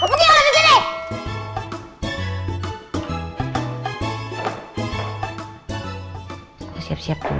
udah siap siap dulu